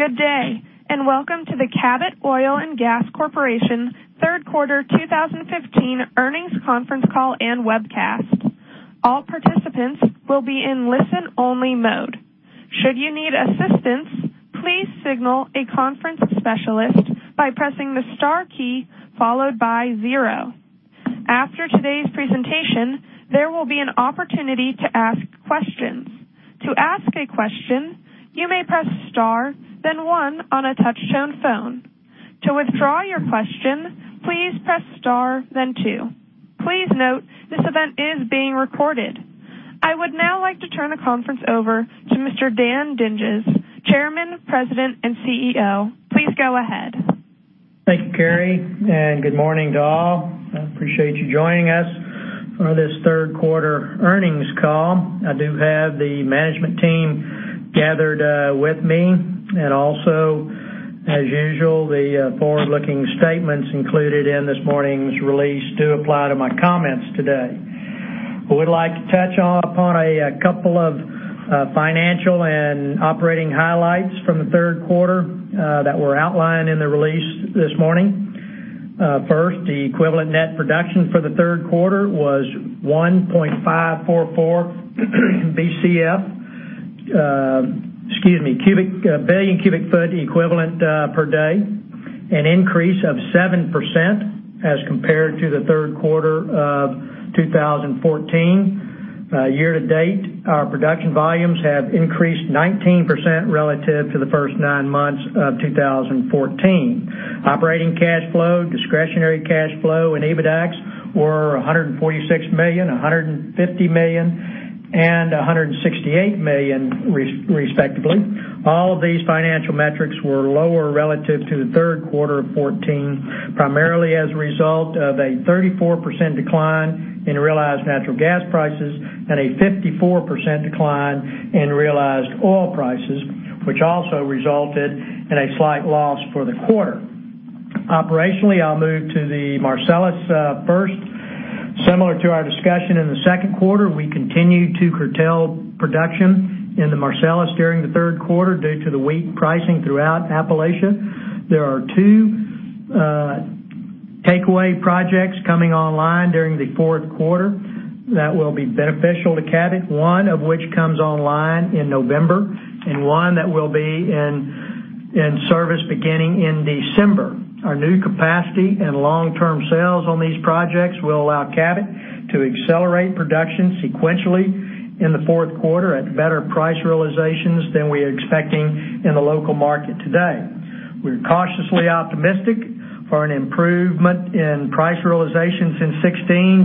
Good day, welcome to the Cabot Oil & Gas Corporation third quarter 2015 earnings conference call and webcast. All participants will be in listen-only mode. Should you need assistance, please signal a conference specialist by pressing the star key followed by zero. After today's presentation, there will be an opportunity to ask questions. To ask a question, you may press star, then one on a touch-tone phone. To withdraw your question, please press star, then two. Please note, this event is being recorded. I would now like to turn the conference over to Mr. Dan Dinges, Chairman, President, and CEO. Please go ahead. Thank you, Carrie, good morning to all. I appreciate you joining us for this third quarter earnings call. I do have the management team gathered with me, also, as usual, the forward-looking statements included in this morning's release do apply to my comments today. I would like to touch upon a couple of financial and operating highlights from the third quarter that were outlined in the release this morning. First, the equivalent net production for the third quarter was 1.544 Bcf, excuse me, billion cubic foot equivalent per day, an increase of 7% as compared to the third quarter of 2014. Year-to-date, our production volumes have increased 19% relative to the first nine months of 2014. Operating cash flow, discretionary cash flow and EBITDAX were $146 million, $150 million, and $168 million, respectively. All of these financial metrics were lower relative to the third quarter of 2014, primarily as a result of a 34% decline in realized natural gas prices and a 54% decline in realized oil prices, which also resulted in a slight loss for the quarter. Operationally, I'll move to the Marcellus first. Similar to our discussion in the second quarter, we continued to curtail production in the Marcellus during the third quarter due to the weak pricing throughout Appalachia. There are two takeaway projects coming online during the fourth quarter that will be beneficial to Cabot, one of which comes online in November and one that will be in service beginning in December. Our new capacity and long-term sales on these projects will allow Cabot to accelerate production sequentially in the fourth quarter at better price realizations than we are expecting in the local market today. We're cautiously optimistic for an improvement in price realizations in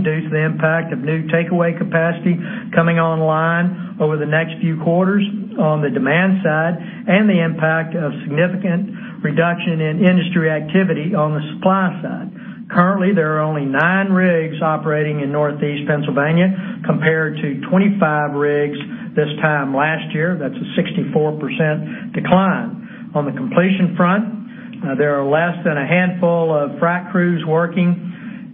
2016 due to the impact of new takeaway capacity coming online over the next few quarters on the demand side and the impact of significant reduction in industry activity on the supply side. Currently, there are only nine rigs operating in Northeast Pennsylvania compared to 25 rigs this time last year. That's a 64% decline. On the completion front, there are less than a handful of frack crews working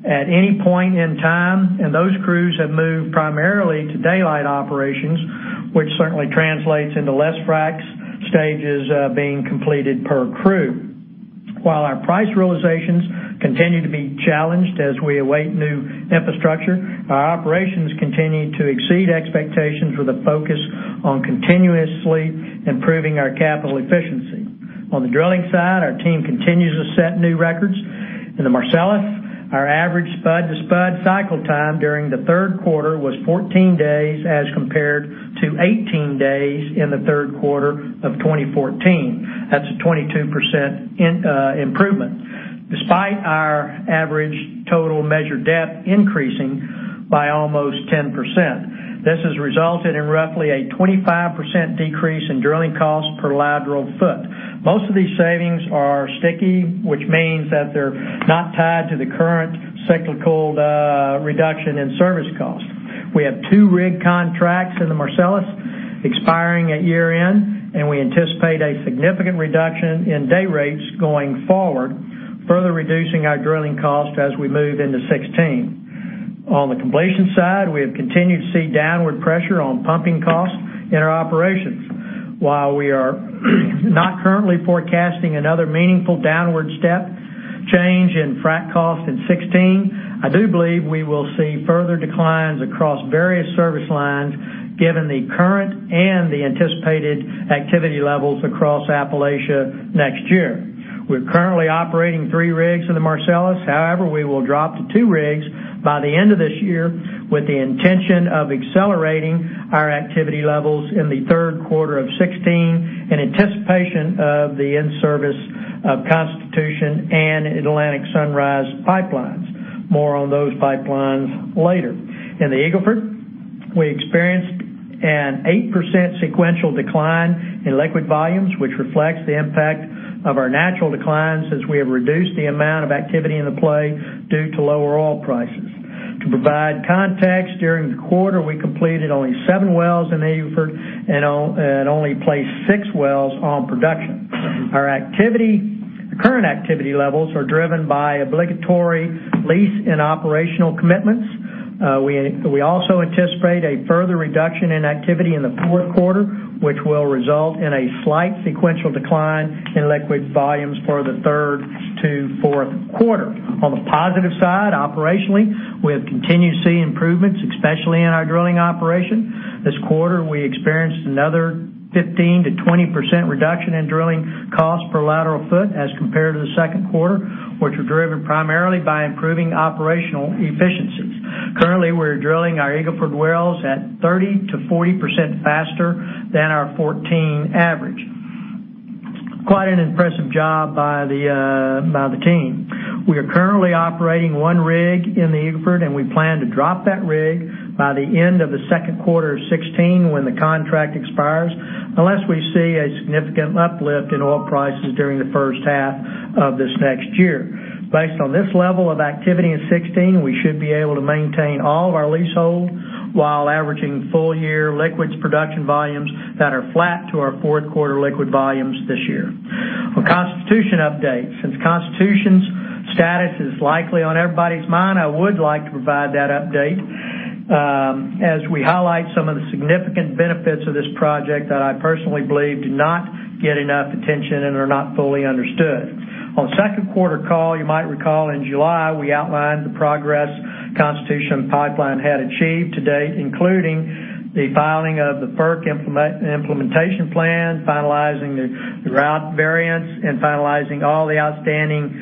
at any point in time, and those crews have moved primarily to daylight operations, which certainly translates into less frack stages being completed per crew. While our price realizations continue to be challenged as we await new infrastructure, our operations continue to exceed expectations with a focus on continuously improving our capital efficiency. On the drilling side, our team continues to set new records. In the Marcellus, our average spud to spud cycle time during the third quarter was 14 days as compared to 18 days in the third quarter of 2014. That is a 22% improvement. Despite our average total measured depth increasing by almost 10%. This has resulted in roughly a 25% decrease in drilling costs per lateral foot. Most of these savings are sticky, which means that they are not tied to the current cyclical reduction in service cost. We have two rig contracts in the Marcellus expiring at year-end, we anticipate a significant reduction in day rates going forward, further reducing our drilling cost as we move into 2016. On the completion side, we have continued to see downward pressure on pumping costs in our operations. While we are not currently forecasting another meaningful downward step change in frack cost in 2016, I do believe we will see further declines across various service lines given the current and the anticipated activity levels across Appalachia next year. We are currently operating 3 rigs in the Marcellus. However, we will drop to 2 rigs by the end of this year with the intention of accelerating our activity levels in the third quarter of 2016 in anticipation of the in-service of Constitution and Atlantic Sunrise pipelines. More on those pipelines later. In the Eagle Ford, we experienced an 8% sequential decline in liquid volumes, which reflects the impact of our natural declines as we have reduced the amount of activity in the play due to lower oil prices. To provide context, during the quarter, we completed only 7 wells in the Eagle Ford and only placed 6 wells on production. The current activity levels are driven by obligatory lease and operational commitments. We also anticipate a further reduction in activity in the fourth quarter, which will result in a slight sequential decline in liquid volumes for the third to fourth quarter. On the positive side, operationally, we have continued to see improvements, especially in our drilling operation. This quarter, we experienced another 15%-20% reduction in drilling costs per lateral foot as compared to the second quarter, which were driven primarily by improving operational efficiencies. Currently, we are drilling our Eagle Ford wells at 30%-40% faster than our 2014 average. Quite an impressive job by the team. We are currently operating 1 rig in the Eagle Ford, we plan to drop that rig by the end of the second quarter of 2016 when the contract expires, unless we see a significant uplift in oil prices during the first half of this next year. Based on this level of activity in 2016, we should be able to maintain all of our leasehold while averaging full-year liquids production volumes that are flat to our fourth quarter liquid volumes this year. A Constitution update. Since Constitution's status is likely on everybody's mind, I would like to provide that update as we highlight some of the significant benefits of this project that I personally believe do not get enough attention and are not fully understood. On the 2nd quarter call, you might recall in July, we outlined the progress Constitution Pipeline had achieved to date, including the filing of the FERC implementation plan, finalizing the route variance, and finalizing all the outstanding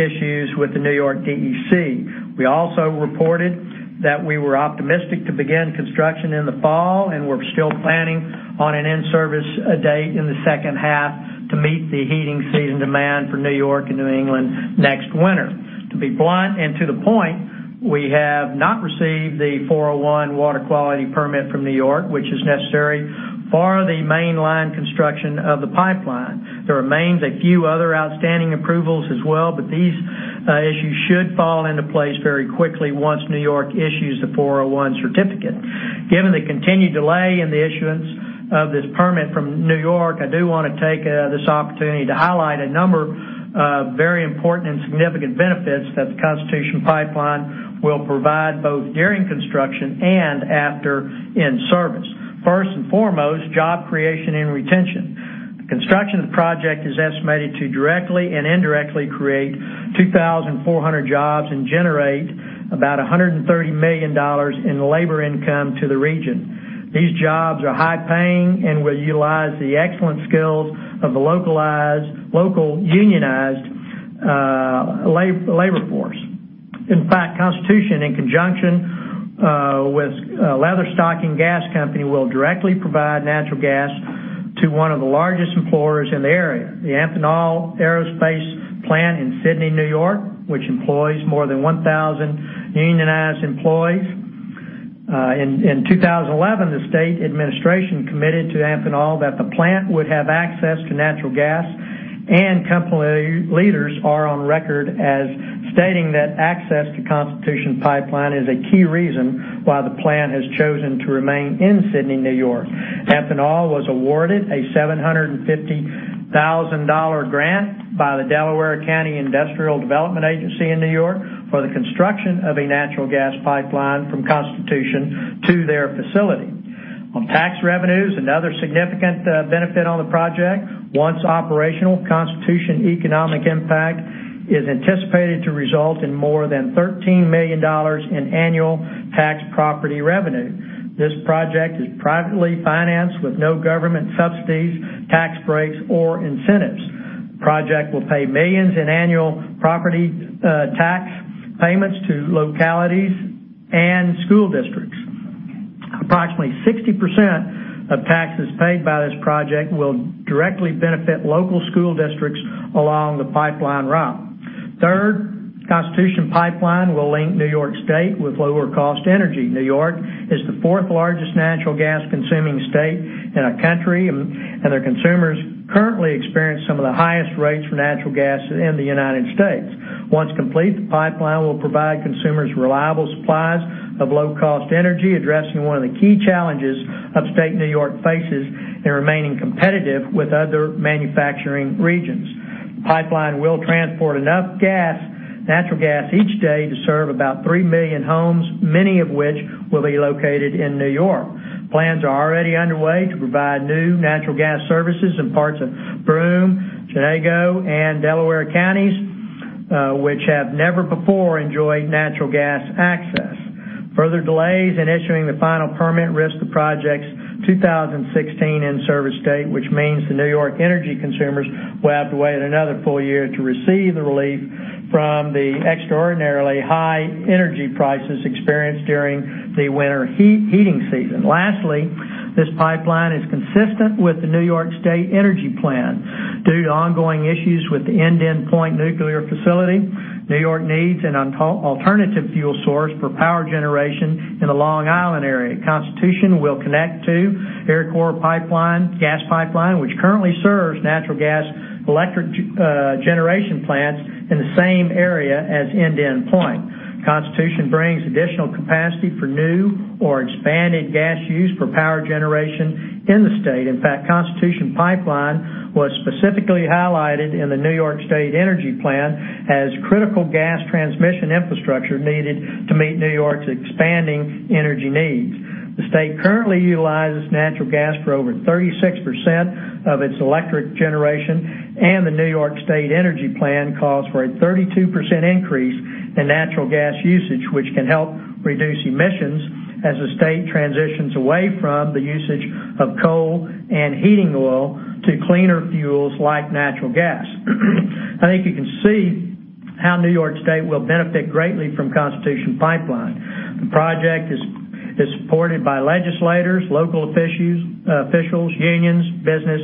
issues with the New York DEC. We also reported that we were optimistic to begin construction in the fall, and we're still planning on an in-service date in the 2nd half to meet the heating season demand for New York and New England next winter. To be blunt and to the point, we have not received the 401 water quality permit from New York, which is necessary for the mainline construction of the pipeline. There remains a few other outstanding approvals as well, these issues should fall into place very quickly once New York issues the 401 certificate. Given the continued delay in the issuance of this permit from New York, I do want to take this opportunity to highlight a number of very important and significant benefits that the Constitution Pipeline will provide both during construction and after in-service. First and foremost, job creation and retention. The construction of the project is estimated to directly and indirectly create 2,400 jobs and generate about $130 million in labor income to the region. These jobs are high paying and will utilize the excellent skills of the local unionized labor force. In fact, Constitution, in conjunction with Leatherstocking Gas Company, will directly provide natural gas to one of the largest employers in the area, the Amphenol Aerospace plant in Sidney, New York, which employs more than 1,000 unionized employees. In 2011, the state administration committed to Amphenol that the plant would have access to natural gas, company leaders are on record as stating that access to Constitution Pipeline is a key reason why the plant has chosen to remain in Sidney, New York. Amphenol was awarded a $750,000 grant by the Delaware County Industrial Development Agency in New York for the construction of a natural gas pipeline from Constitution to their facility. On tax revenues, another significant benefit on the project. Once operational, Constitution economic impact is anticipated to result in more than $13 million in annual tax property revenue. This project is privately financed with no government subsidies, tax breaks, or incentives. The project will pay millions in annual property tax payments to localities and school districts. Approximately 60% of taxes paid by this project will directly benefit local school districts along the pipeline route. Third, Constitution Pipeline will link New York State with lower cost energy. New York is the 4th largest natural gas consuming state in our country, their consumers currently experience some of the highest rates for natural gas in the United States. Once complete, the pipeline will provide consumers reliable supplies of low-cost energy, addressing one of the key challenges upstate New York faces in remaining competitive with other manufacturing regions. The pipeline will transport enough natural gas each day to serve about three million homes, many of which will be located in New York. Plans are already underway to provide new natural gas services in parts of Broome, Chenango, and Delaware counties, which have never before enjoyed natural gas access. Further delays in issuing the final permit risk the project's 2016 in-service date, which means the New York energy consumers will have to wait another full year to receive the relief from the extraordinarily high energy prices experienced during the winter heating season. Lastly, this pipeline is consistent with the New York State Energy Plan. Due to ongoing issues with the Indian Point nuclear facility, New York needs an alternative fuel source for power generation in the Long Island area. Constitution will connect to Iroquois Gas Pipeline, which currently serves natural gas electric generation plants in the same area as Indian Point. Constitution brings additional capacity for new or expanded gas use for power generation in the state. In fact, Constitution Pipeline was specifically highlighted in the New York State Energy Plan as critical gas transmission infrastructure needed to meet New York's expanding energy needs. The state currently utilizes natural gas for over 36% of its electric generation, and the New York State Energy Plan calls for a 32% increase in natural gas usage, which can help reduce emissions as the state transitions away from the usage of coal and heating oil to cleaner fuels like natural gas. I think you can see how New York State will benefit greatly from Constitution Pipeline. The project is supported by legislators, local officials, unions, business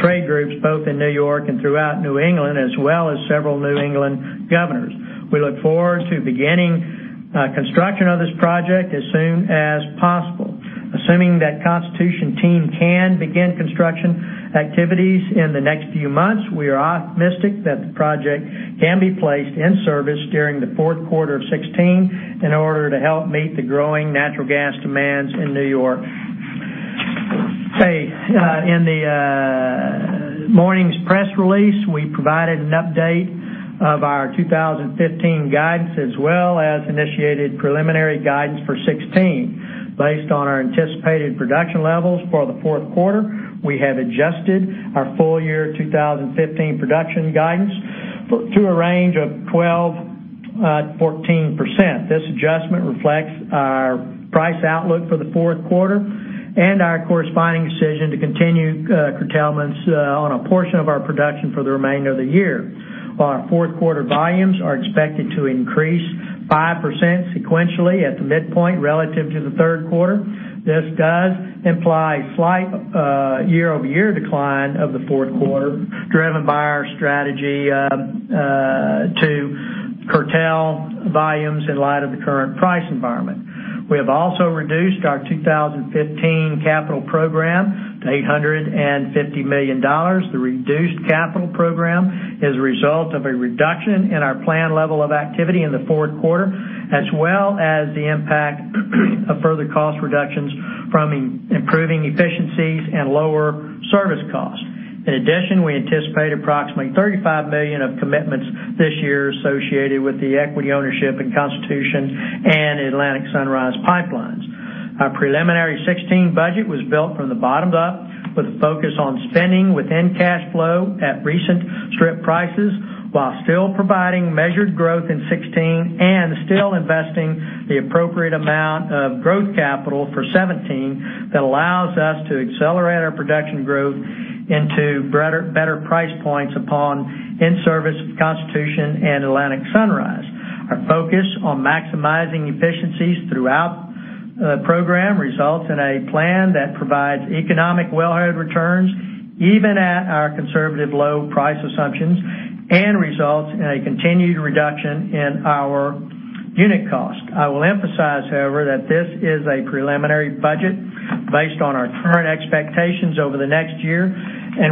trade groups, both in New York and throughout New England, as well as several New England governors. We look forward to beginning construction of this project as soon as possible. Assuming that Constitution team can begin construction activities in the next few months, we are optimistic that the project can be placed in service during the fourth quarter of 2016 in order to help meet the growing natural gas demands in New York. In the morning's press release, we provided an update of our 2015 guidance, as well as initiated preliminary guidance for 2016. Based on our anticipated production levels for the fourth quarter, we have adjusted our full year 2015 production guidance to a range of 12%-14%. This adjustment reflects our price outlook for the fourth quarter and our corresponding decision to continue curtailments on a portion of our production for the remainder of the year. Our fourth quarter volumes are expected to increase 5% sequentially at the midpoint relative to the third quarter. This does imply slight year-over-year decline of the fourth quarter, driven by our strategy to curtail volumes in light of the current price environment. We have also reduced our 2015 capital program to $850 million. The reduced capital program is a result of a reduction in our planned level of activity in the fourth quarter, as well as the impact of further cost reductions from improving efficiencies and lower service costs. In addition, we anticipate approximately $35 million of commitments this year associated with the equity ownership in Constitution and Atlantic Sunrise pipelines. Our preliminary 2016 budget was built from the bottom up with a focus on spending within cash flow at recent strip prices, while still providing measured growth in 2016 and still investing the appropriate amount of growth capital for 2017 that allows us to accelerate our production growth into better price points upon in-service Constitution and Atlantic Sunrise. Our focus on maximizing efficiencies throughout the program results in a plan that provides economic wellhead returns even at our conservative low price assumptions and results in a continued reduction in our unit cost. I will emphasize, however, that this is a preliminary budget based on our current expectations over the next year.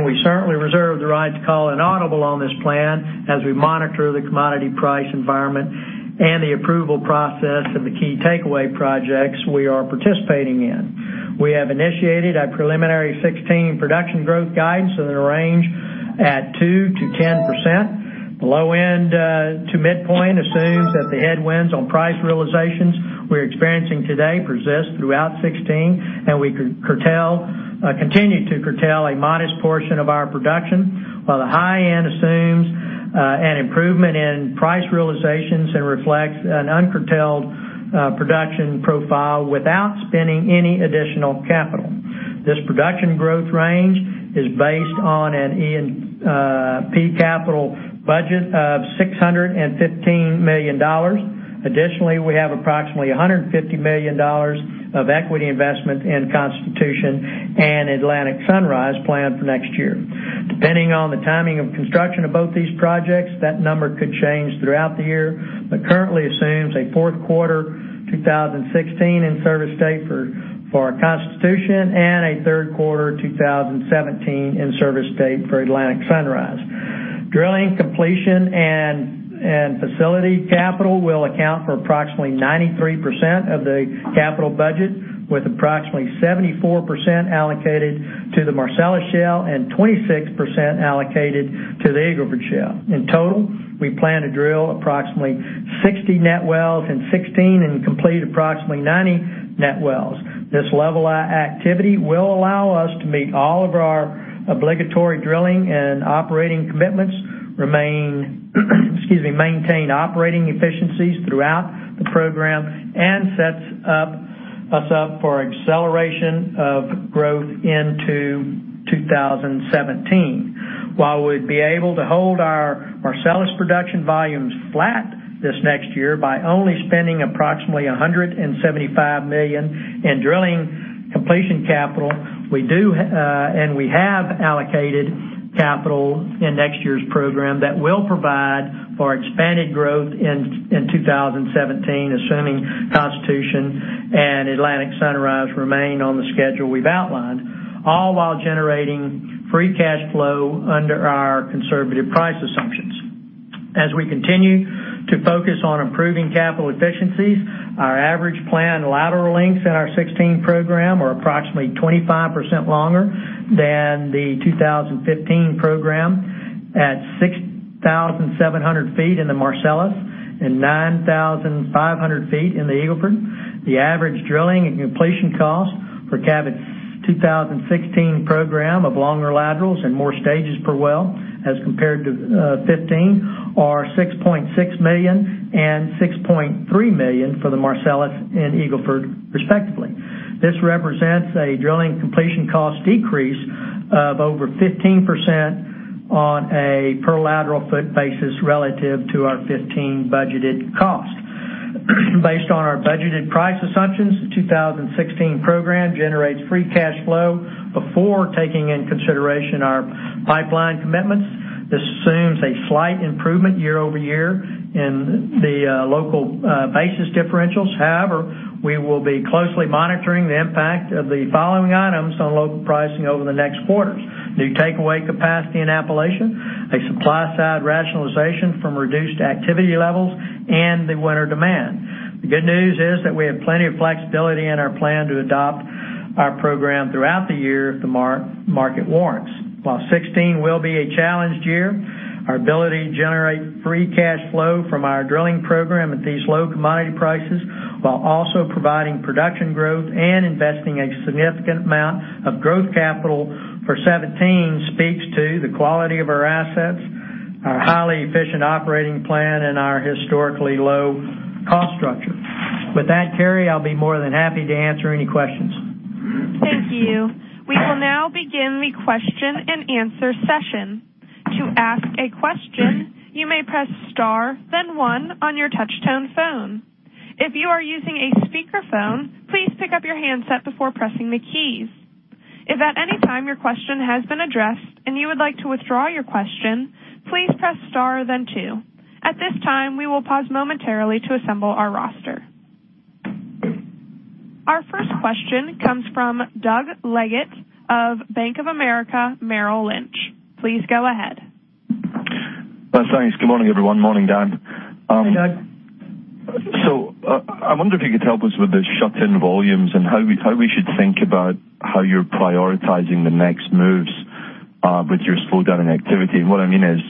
We certainly reserve the right to call an audible on this plan as we monitor the commodity price environment and the approval process of the key takeaway projects we are participating in. We have initiated our preliminary 2016 production growth guidance in a range at 2%-10%. The low end to midpoint assumes that the headwinds on price realizations we're experiencing today persist throughout 2016. We continue to curtail a modest portion of our production, while the high end assumes an improvement in price realizations and reflects an uncurtailed production profile without spending any additional capital. This production growth range is based on an E&P capital budget of $615 million. Additionally, we have approximately $150 million of equity investment in Constitution and Atlantic Sunrise planned for next year. Depending on the timing of construction of both these projects, that number could change throughout the year, but currently assumes a fourth quarter 2016 in-service date for our Constitution and a third quarter 2017 in-service date for Atlantic Sunrise. Drilling completion and facility capital will account for approximately 93% of the capital budget, with approximately 74% allocated to the Marcellus Shale and 26% allocated to the Eagle Ford Shale. In total, we plan to drill approximately 60 net wells in 2016 and complete approximately 90 net wells. This level of activity will allow us to meet all of our obligatory drilling and operating commitments, maintain operating efficiencies throughout the program, and sets us up for acceleration of growth into 2017. While we'd be able to hold our Marcellus production volumes flat this next year by only spending approximately $175 million in drilling completion capital. We have allocated capital in next year's program that will provide for expanded growth in 2017, assuming Constitution and Atlantic Sunrise remain on the schedule we've outlined, all while generating free cash flow under our conservative price assumptions. As we continue to focus on improving capital efficiencies, our average planned lateral lengths in our 2016 program are approximately 25% longer than the 2015 program at 6,700 feet in the Marcellus and 9,500 feet in the Eagle Ford. The average drilling and completion cost for Cabot's 2016 program of longer laterals and more stages per well as compared to 2015, are $6.6 million and $6.3 million for the Marcellus and Eagle Ford respectively. This represents a drilling completion cost decrease of over 15% on a per lateral foot basis relative to our 2015 budgeted cost. Based on our budgeted price assumptions, the 2016 program generates free cash flow before taking in consideration our pipeline commitments. This assumes a slight improvement year-over-year in the local basis differentials. We will be closely monitoring the impact of the following items on local pricing over the next quarters: new takeaway capacity in Appalachia, a supply-side rationalization from reduced activity levels, and the winter demand. The good news is that we have plenty of flexibility in our plan to adopt our program throughout the year if the market warrants. While 2016 will be a challenged year, our ability to generate free cash flow from our drilling program at these low commodity prices, while also providing production growth and investing a significant amount of growth capital for 2017 speaks to the quality of our assets, our highly efficient operating plan, and our historically low cost structure. With that, Carrie, I will be more than happy to answer any questions. Thank you. We will now begin the question and answer session. To ask a question, you may press star, then one on your touchtone phone. If you are using a speakerphone, please pick up your handset before pressing the keys. If at any time your question has been addressed and you would like to withdraw your question, please press star then two. At this time, we will pause momentarily to assemble our roster. Our first question comes from Doug Leggate of Bank of America Merrill Lynch. Please go ahead. Thanks. Good morning, everyone. Morning, Dan. Hey, Doug. I wonder if you could help us with the shut-in volumes and how we should think about how you're prioritizing the next moves with your slowdown in activity. What I mean is,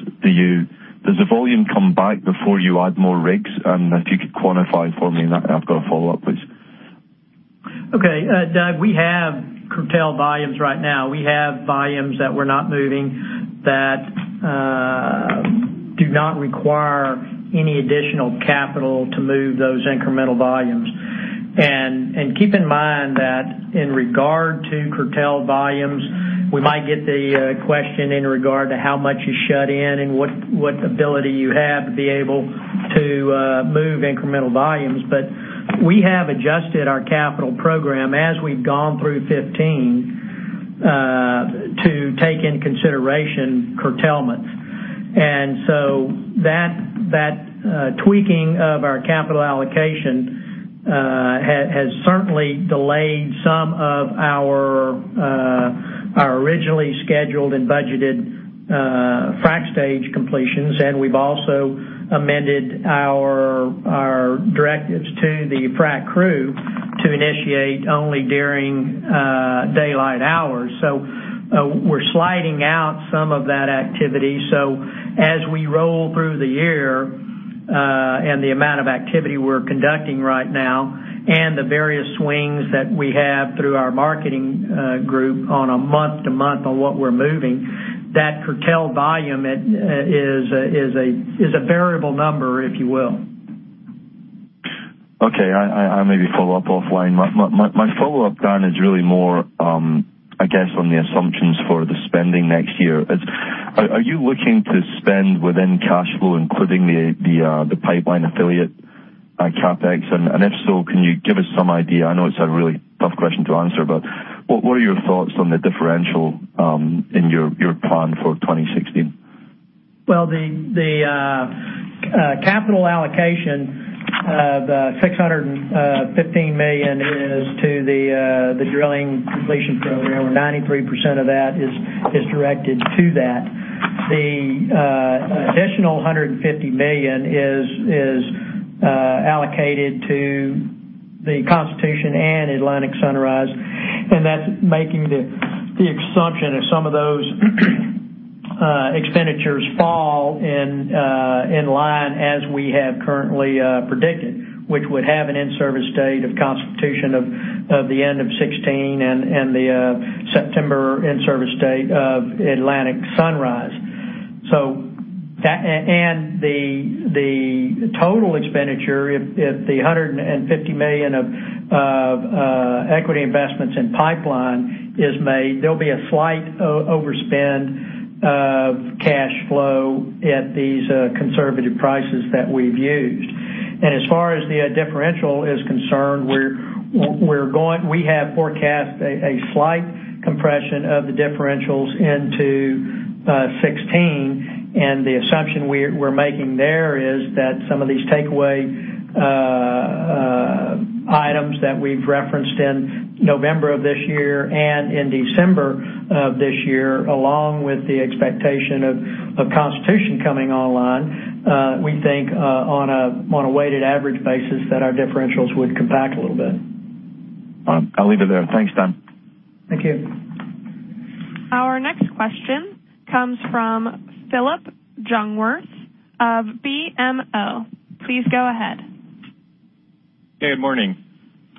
does the volume come back before you add more rigs? If you could quantify for me, and I've got a follow-up, please. Okay. Doug, we have curtailed volumes right now. We have volumes that we're not moving that do not require any additional capital to move those incremental volumes. Keep in mind that in regard to curtailed volumes, we might get the question in regard to how much you shut in and what ability you have to be able to move incremental volumes. We have adjusted our capital program as we've gone through 2015 to take in consideration curtailments. That tweaking of our capital allocation has certainly delayed some of our originally scheduled and budgeted frack stage completions, and we've also amended our directives to the frack crew to initiate only during daylight hours. We're sliding out some of that activity. As we roll through the year and the amount of activity we're conducting right now and the various swings that we have through our marketing group on a month-to-month on what we're moving, that curtailed volume is a variable number, if you will. Okay. I maybe follow up offline. My follow-up, Dan, is really more, I guess on the assumptions for the spending next year. Are you looking to spend within cash flow, including the pipeline affiliate CapEx? If so, can you give us some idea? I know it's a really tough question to answer, what are your thoughts on the differential in your plan for 2016? Well, the capital allocation of $615 million is to the drilling completion program, where 93% of that is directed to that. The additional $150 million is allocated to the Constitution and Atlantic Sunrise, and that's making the assumption that some of those expenditures fall in line as we have currently predicted, which would have an in-service date of Constitution of the end of 2016 and the September in-service date of Atlantic Sunrise. The total expenditure, if the $150 million of equity investments in pipeline is made, there'll be a slight overspend of cash flow at these conservative prices that we've used. As far as the differential is concerned, we have forecast a slight compression of the differentials into 2016. The assumption we're making there is that some of these takeaway that we've referenced in November of this year and in December of this year, along with the expectation of Constitution coming online. We think, on a weighted average basis, that our differentials would compact a little bit. All right. I'll leave it there. Thanks, Dan. Thank you. Our next question comes from Philip Jungwirth of BMO. Please go ahead. Hey, good morning.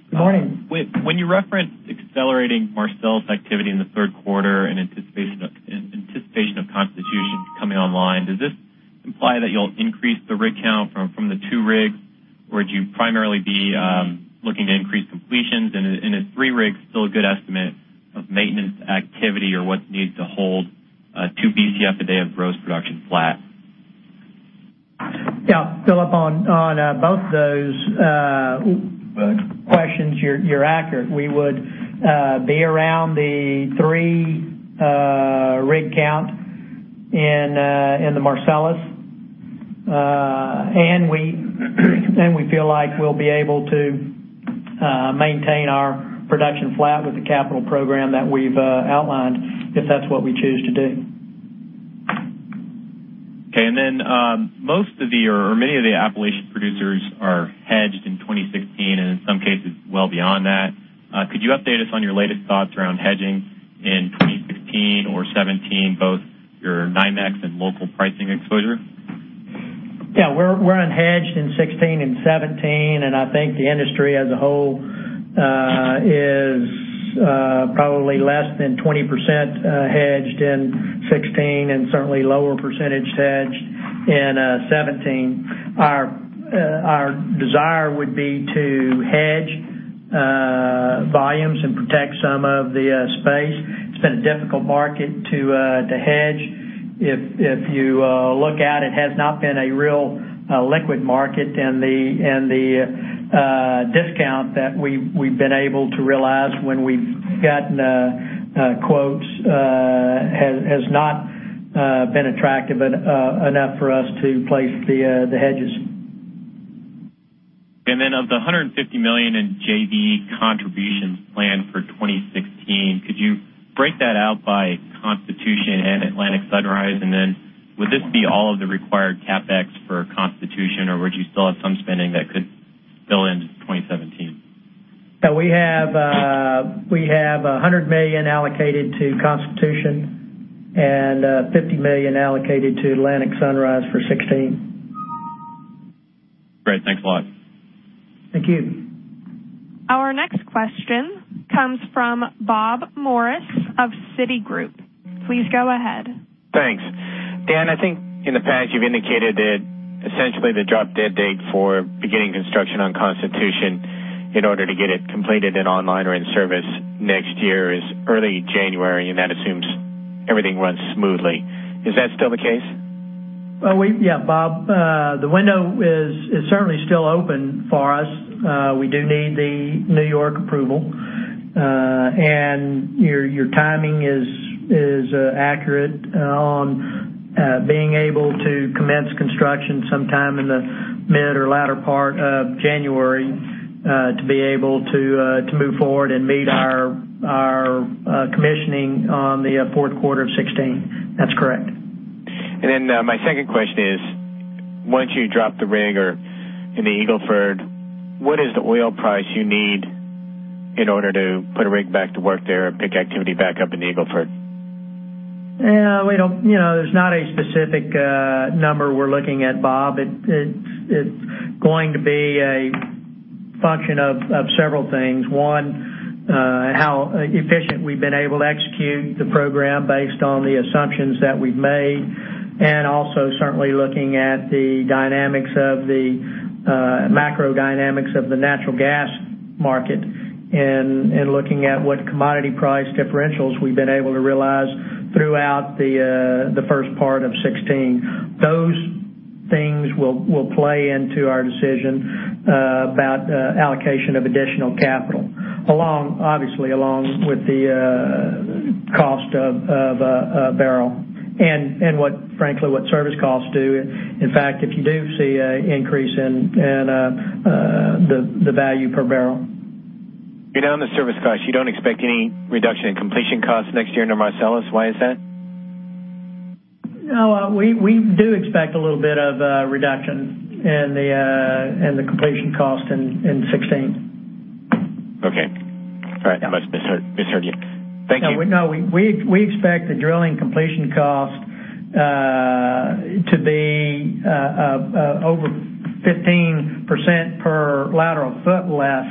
Good morning. When you referenced accelerating Marcellus activity in the third quarter in anticipation of Constitution coming online, does this imply that you'll increase the rig count from the two rigs, or would you primarily be looking to increase completions? Is three rigs still a good estimate of maintenance activity or what's needed to hold 2 Bcf a day of gross production flat? Phillip, on both of those questions, you're accurate. We would be around the three rig count in the Marcellus. We feel like we'll be able to maintain our production flat with the capital program that we've outlined, if that's what we choose to do. Many of the Appalachian producers are hedged in 2016, and in some cases, well beyond that. Could you update us on your latest thoughts around hedging in 2016 or 2017, both your NYMEX and local pricing exposure? We're unhedged in 2016 and 2017. I think the industry as a whole is probably less than 20% hedged in 2016, certainly a lower percentage hedged in 2017. Our desire would be to hedge volumes and protect some of the space. It's been a difficult market to hedge. If you look at it has not been a real liquid market, and the discount that we've been able to realize when we've gotten quotes has not been attractive enough for us to place the hedges. Of the $150 million in JV contributions planned for 2016, could you break that out by Constitution and Atlantic Sunrise? Would this be all of the required CapEx for Constitution, or would you still have some spending that could spill into 2017? We have $100 million allocated to Constitution and $50 million allocated to Atlantic Sunrise for 2016. Great. Thanks a lot. Thank you. Our next question comes from Bob Morris of Citigroup. Please go ahead. Thanks. Dan, I think in the past you've indicated that essentially the drop-dead date for beginning construction on Constitution in order to get it completed and online or in service next year is early January, and that assumes everything runs smoothly. Is that still the case? Yeah, Bob. The window is certainly still open for us. We do need the New York approval. Your timing is accurate on being able to commence construction sometime in the mid or latter part of January to be able to move forward and meet our commissioning on the fourth quarter of 2016. That's correct. My second question is: once you drop the rig in the Eagle Ford, what is the oil price you need in order to put a rig back to work there and pick activity back up in the Eagle Ford? There's not a specific number we're looking at, Bob. It's going to be a function of several things. One, how efficient we've been able to execute the program based on the assumptions that we've made, also certainly looking at the macro dynamics of the natural gas market and looking at what commodity price differentials we've been able to realize throughout the first part of 2016. Those things will play into our decision about allocation of additional capital, obviously along with the cost of a barrel and frankly, what service costs do. In fact, if you do see an increase in the value per barrel. On the service costs, you don't expect any reduction in completion costs next year into Marcellus. Why is that? No, we do expect a little bit of a reduction in the completion cost in 2016. Okay. All right. I must have misheard you. Thank you. No. We expect the drilling completion cost to be over 15% per lateral foot less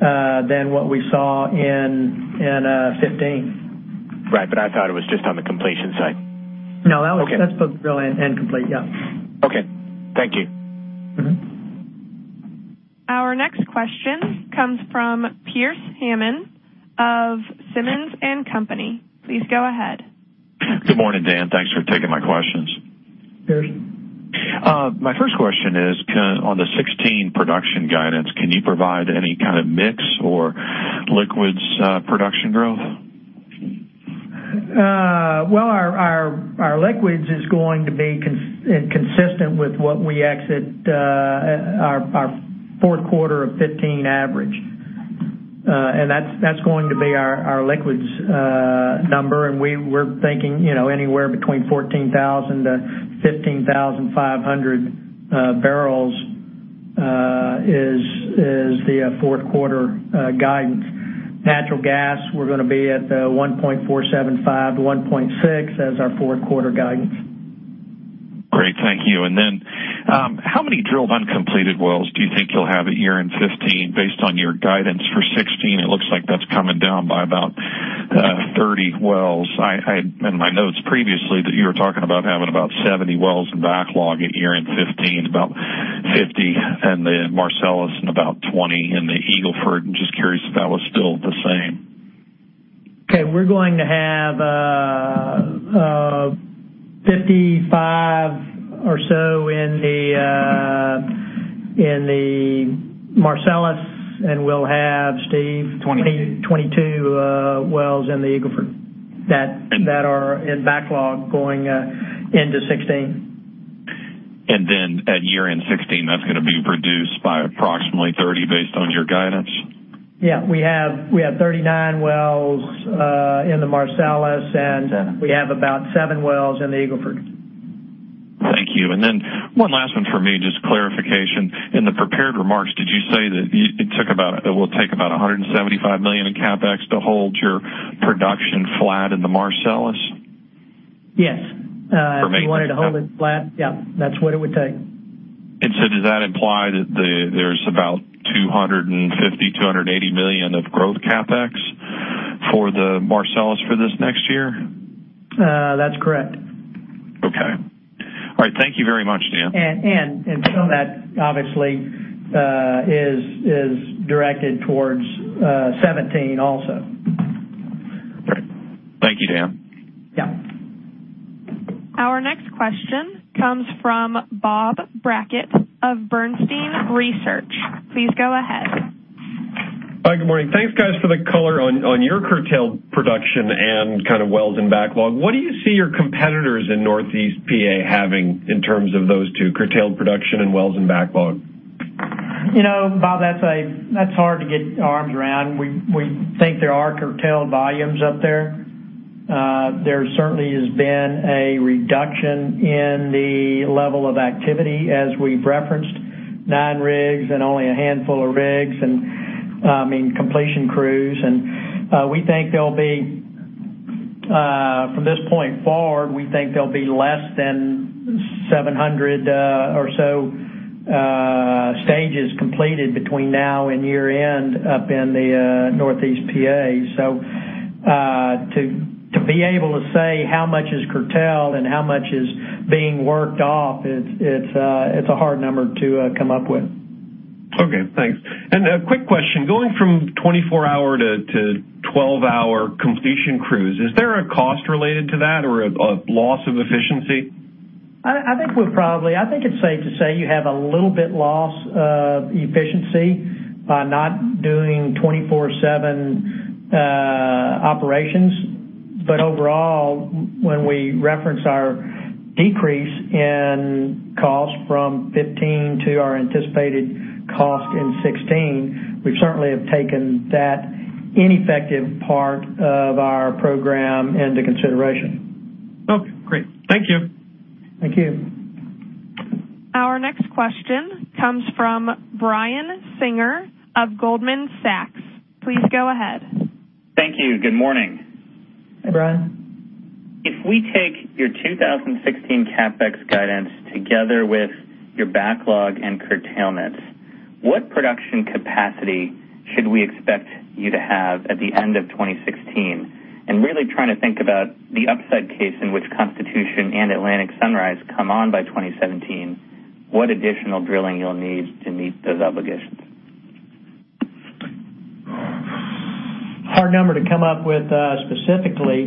than what we saw in 2015. Right. I thought it was just on the completion side. No. Okay. That's both drill and complete, yeah. Okay. Thank you. Our next question comes from Pearce Hammond of Simmons & Company. Please go ahead. Good morning, Dan. Thanks for taking my questions. Pierce. My first question is on the 2016 production guidance. Can you provide any kind of mix or liquids production growth? Well, our liquids is going to be consistent with what we exit our fourth quarter of 2015 average. That's going to be our liquids number, and we're thinking anywhere between 14,000-15,500 barrels is the fourth quarter guidance. Natural gas, we're going to be at 1.475 Bcf-1.6 Bcf as our fourth quarter guidance. Great. Thank you. Then, how many drilled uncompleted wells do you think you'll have at year-end 2015? Based on your guidance for 2016, it looks like that's coming down by about 30 wells. I had in my notes previously that you were talking about having about 70 wells in backlog at year-end 2015, about 50 in the Marcellus, and about 20 in the Eagle Ford. I'm just curious if that was still the same. Okay. We're going to have 55 or so in the Marcellus. We'll have, Steve- 22 22 wells in the Eagle Ford that are in backlog going into 2016. At year-end 2016, that's going to be reduced by approximately 30 based on your guidance? Yeah. We have 39 wells in the Marcellus- Seven We have about seven wells in the Eagle Ford. Thank you. One last one from me, just clarification. In the prepared remarks, did you say that it will take about $175 million in CapEx to hold your production flat in the Marcellus? Yes. For maintenance. If we wanted to hold it flat, yeah, that's what it would take. Does that imply that there's about $250 million-$280 million of growth CapEx for the Marcellus for this next year? That's correct. Okay. All right. Thank you very much, Dan. Some of that obviously is directed towards 2017 also. Great. Thank you, Dan. Yeah. Our next question comes from Bob Brackett of Bernstein Research. Please go ahead. Hi. Good morning. Thanks, guys, for the color on your curtailed production and wells in backlog. What do you see your competitors in Northeast P.A. having in terms of those two, curtailed production and wells in backlog? Bob, that's hard to get our arms around. We think there are curtailed volumes up there. There certainly has been a reduction in the level of activity as we've referenced nine rigs and only a handful of rigs, and completion crews. From this point forward, we think there'll be less than 700 or so stages completed between now and year-end up in the Northeast P.A. To be able to say how much is curtailed and how much is being worked off, it's a hard number to come up with. Okay. Thanks. A quick question, going from 24-hour to 12-hour completion crews, is there a cost related to that or a loss of efficiency? I think it's safe to say you have a little bit loss of efficiency by not doing 24/7 operations. Overall, when we reference our decrease in cost from 2015 to our anticipated cost in 2016, we certainly have taken that ineffective part of our program into consideration. Okay, great. Thank you. Thank you. Our next question comes from Brian Singer of Goldman Sachs. Please go ahead. Thank you. Good morning. Hi, Brian. If we take your 2016 CapEx guidance together with your backlog and curtailments, what production capacity should we expect you to have at the end of 2016? Really trying to think about the upside case in which Constitution and Atlantic Sunrise come on by 2017, what additional drilling you'll need to meet those obligations? Hard number to come up with specifically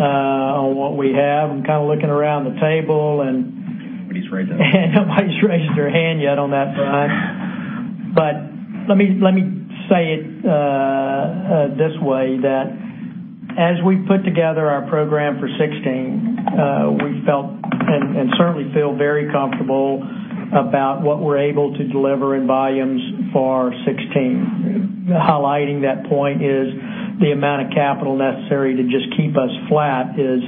on what we have. I'm looking around the table and- Nobody's raised their hand nobody's raised their hand yet on that front. Let me say it this way, that as we put together our program for 2016, we felt, and certainly feel very comfortable about what we're able to deliver in volumes for 2016. Highlighting that point is the amount of capital necessary to just keep us flat is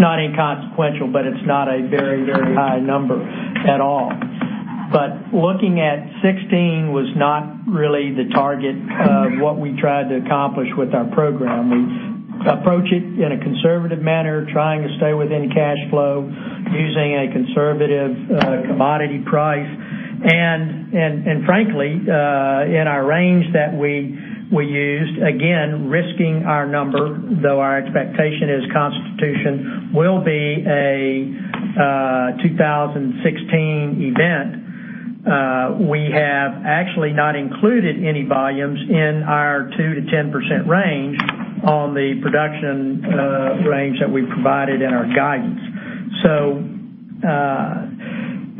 not inconsequential, but it's not a very, very high number at all. Looking at 2016 was not really the target of what we tried to accomplish with our program. We approach it in a conservative manner, trying to stay within cash flow, using a conservative commodity price. Frankly, in our range that we used, again, risking our number, though our expectation is Constitution will be a 2016 event. We have actually not included any volumes in our 2%-10% range on the production range that we've provided in our guidance.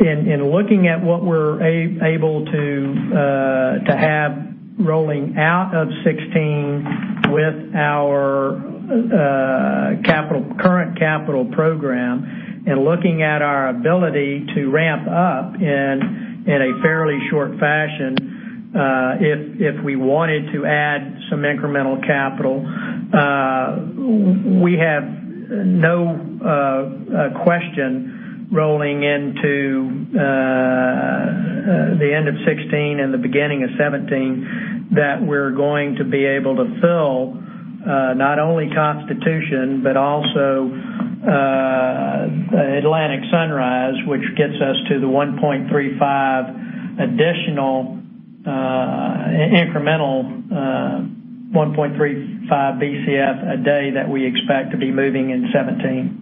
In looking at what we're able to have rolling out of 2016 with our current capital program, and looking at our ability to ramp up in a fairly short fashion if we wanted to add some incremental capital, we have no question rolling into the end of 2016 and the beginning of 2017 that we're going to be able to fill not only Constitution, but also Atlantic Sunrise, which gets us to the 1.35 additional incremental 1.35 Bcf a day that we expect to be moving in 2017.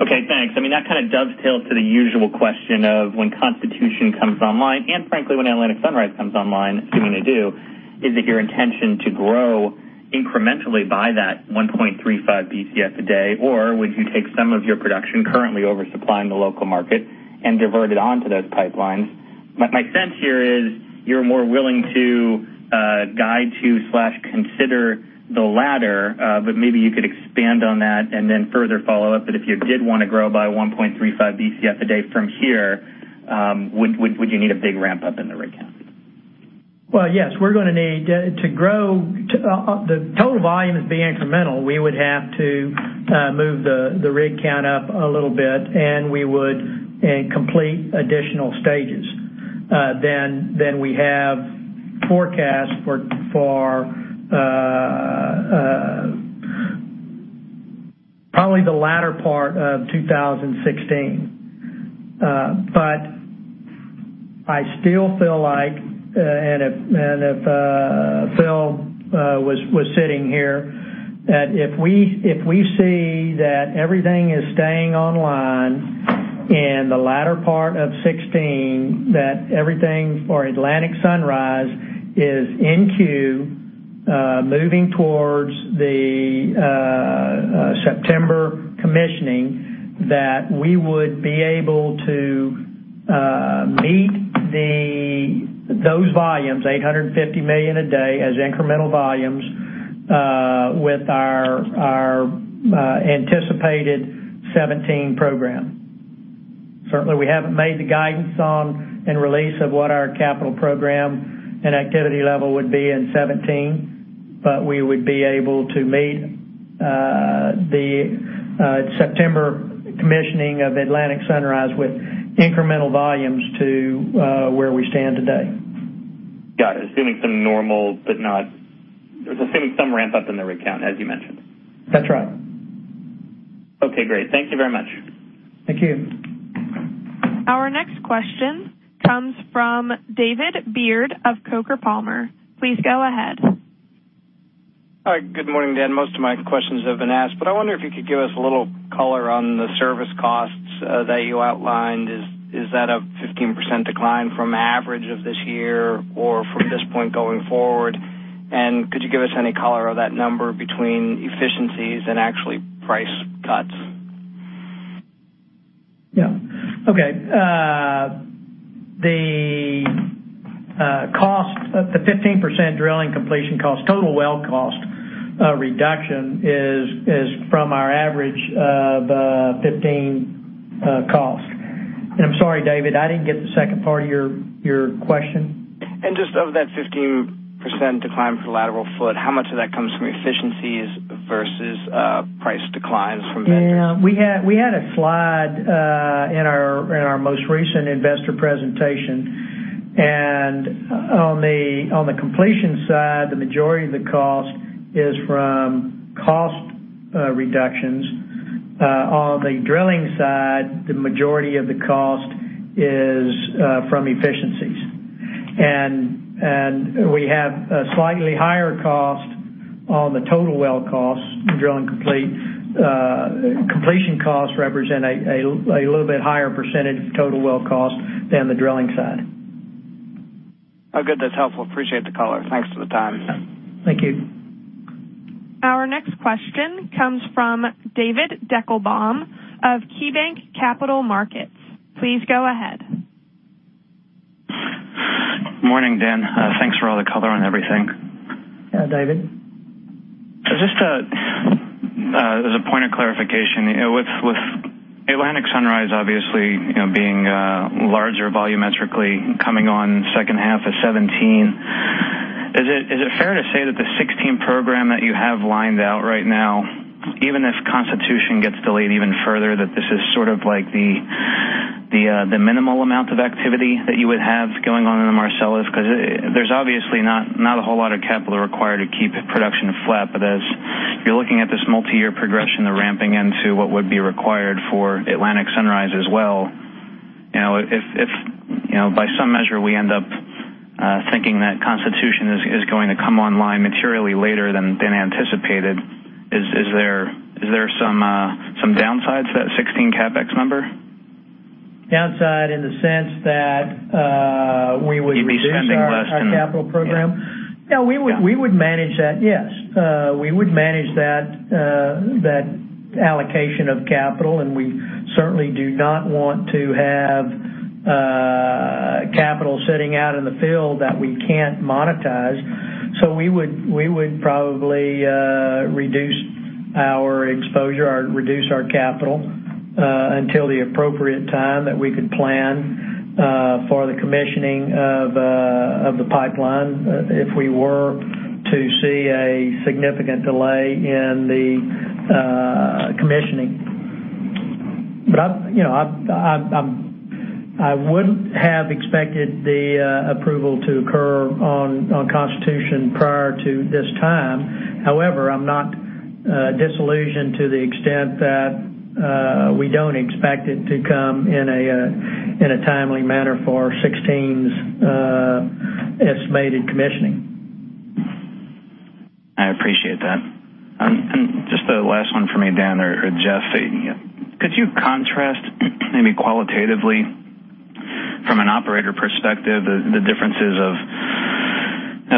Okay, thanks. That kind of dovetails to the usual question of when Constitution Pipeline comes online and frankly, when Atlantic Sunrise Pipeline comes online, assuming they do, is it your intention to grow incrementally by that 1.35 Bcf a day? Or would you take some of your production currently oversupplying the local market and divert it onto those pipelines? My sense here is you're more willing to guide to/consider the latter, but maybe you could expand on that and then further follow up that if you did want to grow by 1.35 Bcf a day from here, would you need a big ramp-up in the rig count? Well, yes. To grow the total volume to be incremental, we would have to move the rig count up a little bit, and we would complete additional stages than we have forecast for probably the latter part of 2016. I still feel like, and if Phil was sitting here, that if we see that everything is staying online in the latter part of 2016, that everything for Atlantic Sunrise Pipeline is in queue, moving towards the September commissioning, that we would be able to meet those volumes, 850 million a day as incremental volumes, with our anticipated 2017 program. Certainly, we haven't made the guidance on and release of what our capital program and activity level would be in 2017, but we would be able to meet the September commissioning of Atlantic Sunrise Pipeline with incremental volumes to where we stand today. Got it. Assuming some ramp-up in the rig count, as you mentioned. That's right. Okay, great. Thank you very much. Thank you. Our next question comes from David Beard of Coker & Palmer. Please go ahead. Hi. Good morning, Dan. Most of my questions have been asked, but I wonder if you could give us a little color on the service costs that you outlined. Is that a 15% decline from average of this year, or from this point going forward? Could you give us any color of that number between efficiencies and actually price cuts? Yeah. Okay. The 15% drilling completion cost, total well cost reduction is from our average of 2015 cost. I'm sorry, David, I didn't get the second part of your question. Just of that 15% decline per lateral foot, how much of that comes from efficiencies versus price declines from vendors? Yeah. We had a slide in our most recent investor presentation, on the completion side, the majority of the cost is from cost reductions. On the drilling side, the majority of the cost is from efficiencies. We have a slightly higher cost on the total well costs in drill and complete. Completion costs represent a little bit higher % of total well cost than the drilling side. Oh, good. That's helpful. Appreciate the color. Thanks for the time. Thank you. Our next question comes from David Deckelbaum of KeyBanc Capital Markets. Please go ahead. Morning, Dan. Thanks for all the color on everything. Yeah, David. Just as a point of clarification, with Atlantic Sunrise, obviously, being larger volumetrically coming on second half of 2017, is it fair to say that the 2016 program that you have lined out right now, even if Constitution gets delayed even further, that this is sort of the minimal amount of activity that you would have going on in the Marcellus? Because there's obviously not a whole lot of capital required to keep production flat. As you're looking at this multi-year progression, the ramping into what would be required for Atlantic Sunrise as well, if by some measure we end up thinking that Constitution is going to come online materially later than anticipated, is there some downsides to that 2016 CapEx number? Downside in the sense that Spending less than- Our capital program. No, we would manage that. Yes. We would manage that allocation of capital, and we certainly do not want to have capital sitting out in the field that we can't monetize. We would probably reduce our exposure or reduce our capital until the appropriate time that we could plan for the commissioning of the pipeline if we were to see a significant delay in the commissioning. I would have expected the approval to occur on Constitution prior to this time. However, I'm not disillusioned to the extent that we don't expect it to come in a timely manner for 2016's estimated commissioning. I appreciate that. Just the last one from me, Dan or Jeff. Could you contrast, maybe qualitatively from an operator perspective, the differences of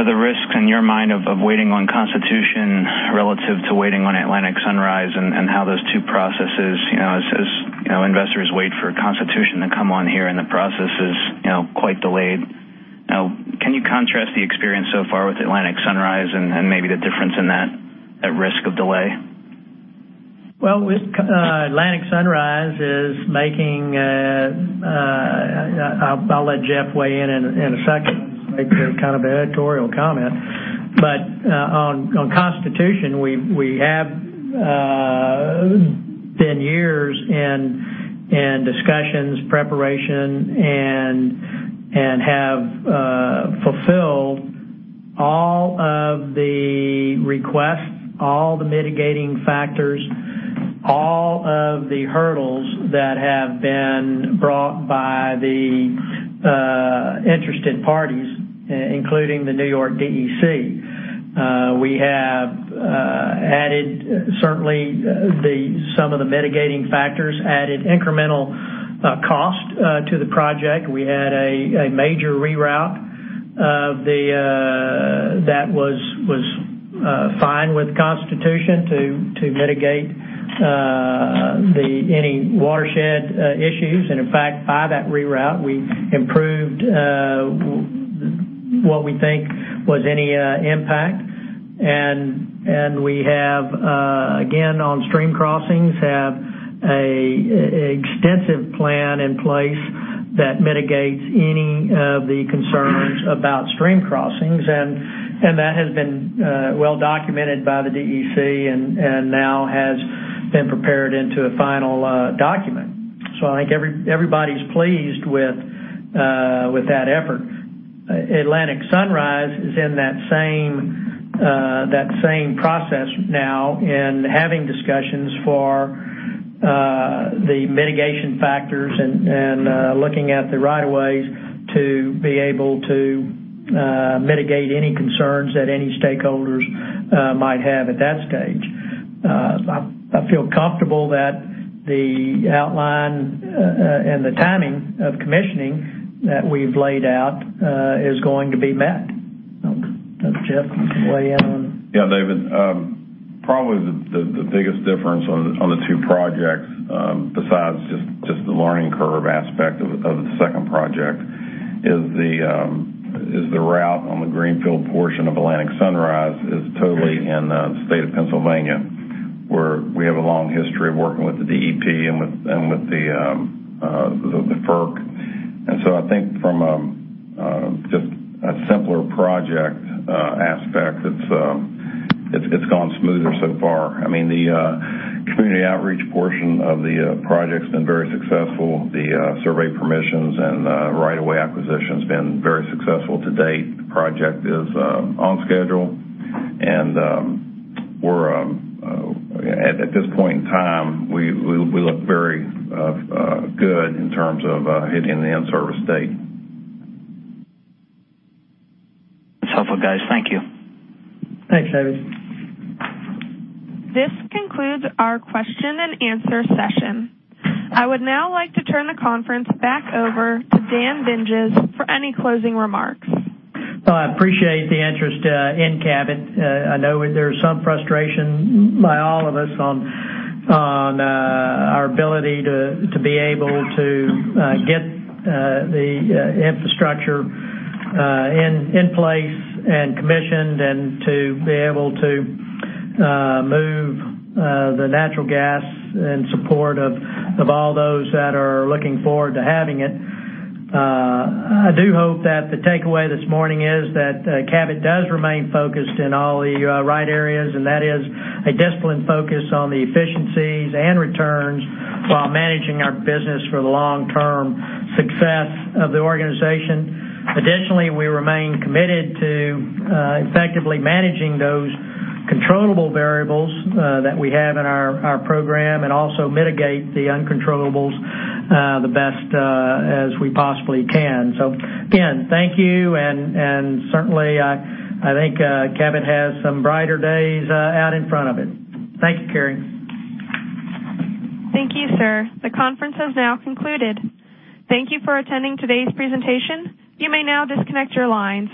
the risks in your mind of waiting on Constitution relative to waiting on Atlantic Sunrise and how those two processes, as investors wait for Constitution to come on here and the process is quite delayed. Can you contrast the experience so far with Atlantic Sunrise and maybe the difference in that risk of delay? Well, Atlantic Sunrise is making I'll let Jeff weigh in in a second. Make kind of an editorial comment. On Constitution, we have been years in discussions, preparation, and have fulfilled all of the requests, all the mitigating factors, all of the hurdles that have been brought by the interested parties, including the New York DEC. We have added certainly some of the mitigating factors, added incremental cost to the project. We had a major reroute that was fine with Constitution to mitigate any watershed issues. In fact, by that reroute, we improved what we think was any impact. We have, again, on stream crossings, have an extensive plan in place that mitigates any of the concerns about stream crossings, and that has been well-documented by the DEC and now has been prepared into a final document. I think everybody's pleased with that effort. Atlantic Sunrise is in that same process now in having discussions for the mitigation factors and looking at the right of ways to be able to mitigate any concerns that any stakeholders might have at that stage. I feel comfortable that the outline and the timing of commissioning that we've laid out is going to be met. Jeff, want to weigh in on? Yeah, David. Probably the biggest difference on the two projects, besides just the learning curve aspect of the second project is the route on the greenfield portion of Atlantic Sunrise is totally in the state of Pennsylvania, where we have a long history of working with the DEP and with the FERC. I think from just a simpler project aspect, it's gone smoother so far. The community outreach portion of the project's been very successful. The survey permissions and right of way acquisition's been very successful to date. The project is on schedule, and at this point in time, we look very good in terms of hitting the in-service date. That's helpful, guys. Thank you. Thanks, David. This concludes our question and answer session. I would now like to turn the conference back over to Dan Dinges for any closing remarks. I appreciate the interest in Cabot. I know there's some frustration by all of us on our ability to be able to get the infrastructure in place and commissioned and to be able to move the natural gas in support of all those that are looking forward to having it. I do hope that the takeaway this morning is that Cabot does remain focused in all the right areas, and that is a disciplined focus on the efficiencies and returns while managing our business for the long-term success of the organization. We remain committed to effectively managing those controllable variables that we have in our program, and also mitigate the uncontrollables the best as we possibly can. Again, thank you, and certainly, I think Cabot has some brighter days out in front of it. Thank you, Carrie. Thank you, sir. The conference has now concluded. Thank you for attending today's presentation. You may now disconnect your lines